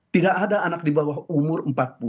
tidak ada anak di bawah umur empat puluh